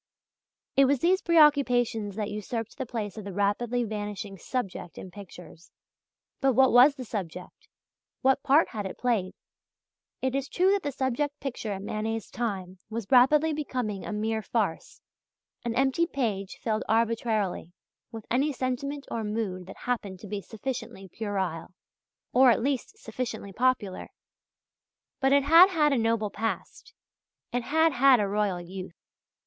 It was these preoccupations that usurped the place of the rapidly vanishing "subject" in pictures. But what was the subject? What part had it played? It is true that the subject picture in Manet's time was rapidly becoming a mere farce, an empty page filled arbitrarily with any sentiment or mood that happened to be sufficiently puerile, or at least sufficiently popular. But it had had a noble past. It had had a royal youth.